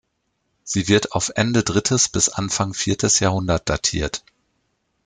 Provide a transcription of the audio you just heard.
Sie wird auf Ende drittes bis Anfang viertes Jahrhundert datiert.